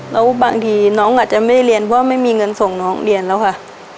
แล้วบางทีน้องอาจจะไม่ได้เรียนเพราะไม่มีเงินส่งน้องเรียนแล้วค่ะ